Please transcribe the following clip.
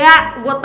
anak jadi gitu